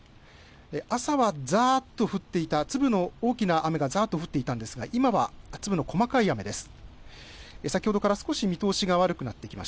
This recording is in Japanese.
朝はざーっと降っていた、粒の大きな雨がざーっと降っていたんですが今は粒の細かい雨です。